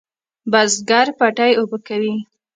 بزگر پټی اوبه کوي.